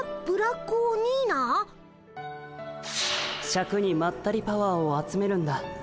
シャクにまったりパワーを集めるんだ。